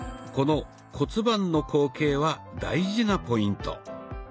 この骨盤の後傾は大事なポイント。